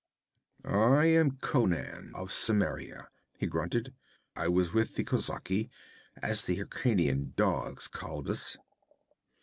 'I am Conan, of Cimmeria,' he grunted. 'I was with the kozaki, as the Hyrkanian dogs called us.'